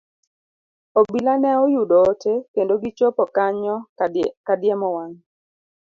Obila ne oyudo ote, kendo gichopo kanyo ka diemo wang'.